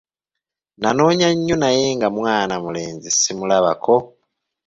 Nanoonya nyo naye nga mwana mulenzi simulabako.